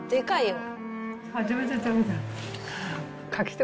初めて食べた。